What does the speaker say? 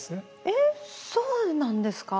えっそうなんですか？